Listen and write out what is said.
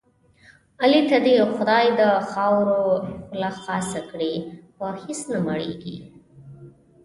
علي ته دې خدای د خاورو خوله خاصه کړي په هېڅ نه مړېږي.